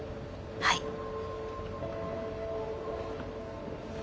はい。